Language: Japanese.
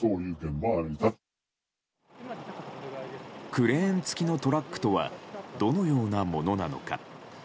クレーン付きのトラックとはどのようなものなのか。